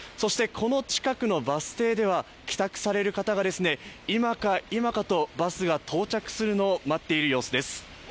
この近くのバス停では帰宅される方が今か今かとバスが到着するのを待っている様子です。